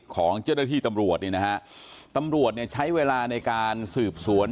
ของเจ้าหน้าที่ตำรวจเนี่ยนะฮะตำรวจเนี่ยใช้เวลาในการสืบสวน